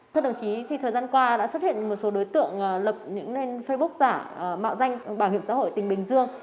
thưa đồng chí thì thời gian qua đã xuất hiện một số đối tượng lập những facebook giả mạo danh bảo hiểm xã hội tỉnh bình dương